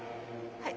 はい。